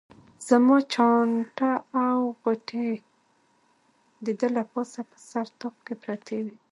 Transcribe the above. زما چانټه او غوټې د ده له پاسه په سر طاق کې پرتې وې.